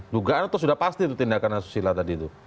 dugaan atau sudah pasti itu tindakan asusila tadi itu